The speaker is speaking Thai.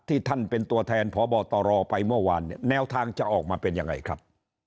ท่านเป็นตัวแทนพบตรไปเมื่อวานเนี่ยแนวทางจะออกมาเป็นยังไงครับ